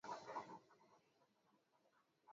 ya ulimwengu walitoa mchango mkubwa katika maendeleo ya